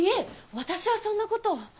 私はそんなこと。